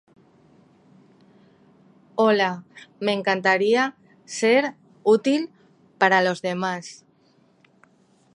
Estudió Educación en la Universidad Laval.